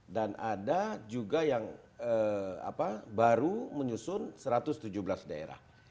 dan ada juga yang baru menyusun satu ratus tujuh belas daerah